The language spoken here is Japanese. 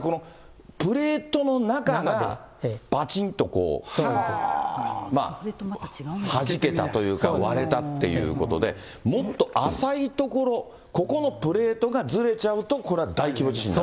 このプレートの中が、ばちんとこう、はじけたというか、割れたっていうことで、もっと浅い所、ここのプレートがずれちゃうとこれは大規模地震になる。